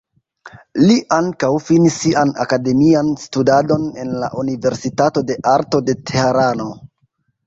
Li ankaŭ finis sian akademian studadon en la universitato de arto de Tehrano.